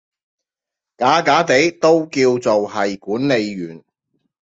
假假地都叫做係管理員